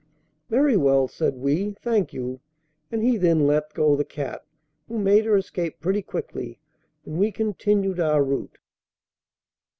'Very well,' said we, 'thank you;' and he then let go the cat, who made her escape pretty quickly, and we continued our route.